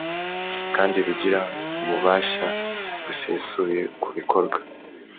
kandi rugira ububasha busesuye ku bikorwa